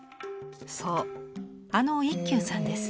そうあの一休さんです。